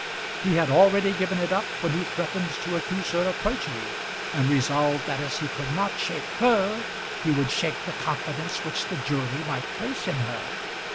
He had already given it up when he threatened to accuse her of perjury, and resolved that as he could not shake her he would shake the confidence which the jury might place in her.